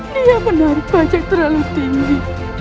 dia menarik pajak terlalu tinggi